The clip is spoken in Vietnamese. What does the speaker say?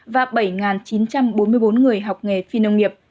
và bảy chín trăm bốn mươi bốn người học nghề phi nông nghiệp